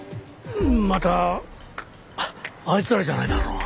またあいつらじゃないだろうな。